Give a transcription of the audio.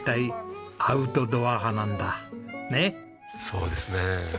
そうですね